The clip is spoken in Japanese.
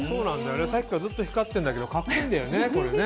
さっきからずっと光ってんだけどカッコいいんだよねこれね。